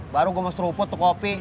baru gue mau seruput tuh kopi